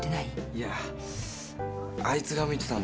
いやあいつが見てたんで。